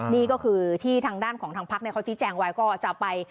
นี่ก็คือที่ทางด้านของทางพักนั้นเขาจะจิดแจ่งไว้